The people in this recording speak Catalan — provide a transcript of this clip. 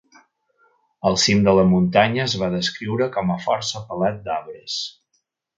El cim de la muntanya es va descriure com a força pelat d'arbres.